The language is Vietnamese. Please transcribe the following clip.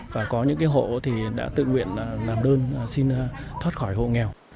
và có những hộ đã tự nguyện làm đơn xin thoát khỏi hộ nghèo